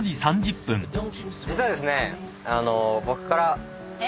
実はですね。